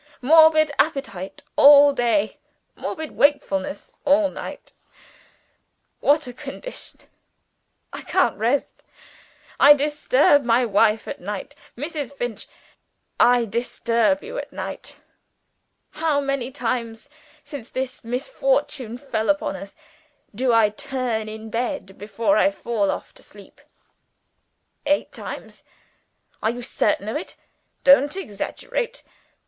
Morbid appetite all day; morbid wakefulness all night what a condition! I can't rest. I disturb my wife at night. Mrs. Finch! I disturb you at night. How many times since this misfortune fell upon us do I turn in bed before I fall off to sleep? Eight times? Are you certain of it? Don't exaggerate!